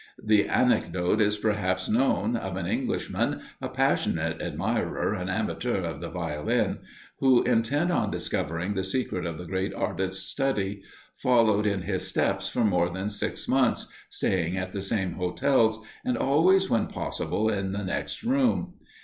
The anecdote is perhaps known, of an Englishman, a passionate admirer and amateur of the Violin, who, intent on discovering the secret of the great artist's study, followed in his steps for more than six months, staying at the same hotels, and always when possible in the next room.